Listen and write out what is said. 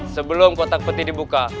sebelum kotak peti dibuka